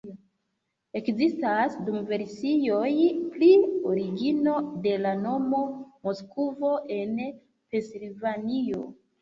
Ekzistas du versioj pri origino de la nomo Moskvo en Pensilvanio.